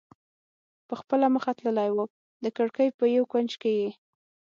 په خپله مخه تللی و، د کړکۍ په یو کونج کې یې.